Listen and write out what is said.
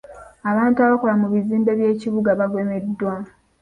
Abantu abakola mu bizimbe by'ekibuga bagemeddwa.